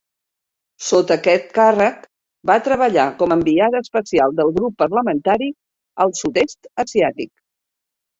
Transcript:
Sota aquest càrrec, va treballar com a enviada especial del grup parlamentari al sud-est asiàtic.